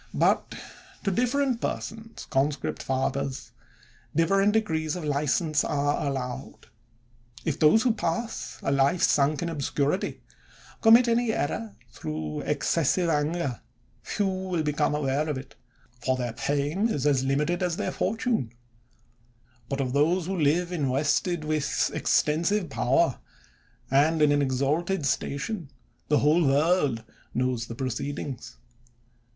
But to different persons, conscript fathers, different degrees of license are allowed. If those who pass a life sunk in obscurity, commit any error, through excessive anger, few become aware of it, for their fame is as limited as their fortune ; but of those who live invested with extensive power, and in an exalted station, the whole world knows the proceedings.